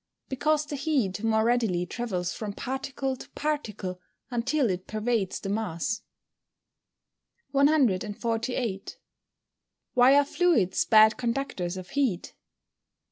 _ Because the heat more readily travels from particle to particle until it pervades the mass. 148. _Why are fluids bad conductors of heat?